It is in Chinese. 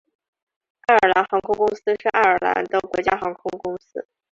爱尔兰航空公司是爱尔兰的国家航空公司。